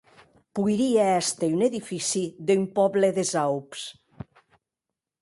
Poirie èster un edifici d'un pòble des Aups.